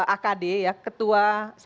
akd ya ketua